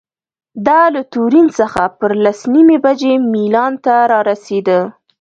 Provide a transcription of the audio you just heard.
دا له تورین څخه پر لس نیمې بجې میلان ته رارسېده.